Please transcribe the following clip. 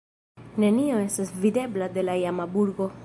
Nenio estas videbla de la iama burgo.